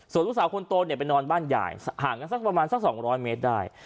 ส่วนลูกสาวคนโตไปนอนบ้านใหญ่ห่างกันประมาณสัก๒๐๐เมตรได้